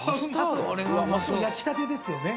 焼きたてですよね